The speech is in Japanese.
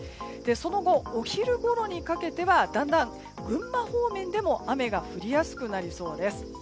その後、お昼ごろにかけてはだんだん群馬方面でも雨が降りやすくなりそうです。